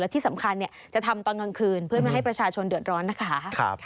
ที่สำคัญจะทำตอนกลางคืนเพื่อไม่ให้ประชาชนเดือดร้อนนะคะ